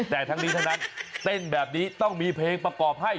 แต่ทั้งนี้ทั้งนั้นเต้นแบบนี้ต้องมีเพลงประกอบให้